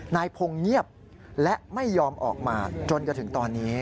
นายพงศ์เงียบและไม่ยอมออกมาจนกระทั่งถึงตอนนี้